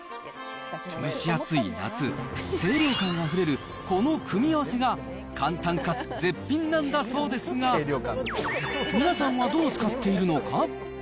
蒸し暑い夏、清涼感あふれるこの組み合わせが、簡単かつ絶品なんだそうですが、皆さんはどう使っているのか。